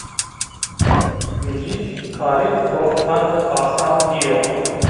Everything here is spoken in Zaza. Muzîk karêko hende asan nîyo